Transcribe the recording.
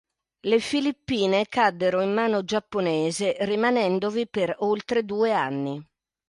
Le Filippine caddero in mano giapponese rimanendovi per oltre due anni.